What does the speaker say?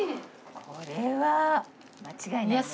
これは間違いないね。